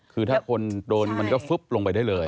คือถ้าคนโดนมันก็ฟึ๊บลงไปได้เลย